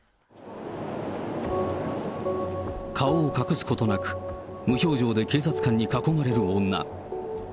顔を隠すことなく、無表情で警察官に囲まれる女。